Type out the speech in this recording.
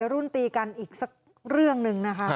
รุ่นตีกันอีกสักเรื่องหนึ่งนะคะ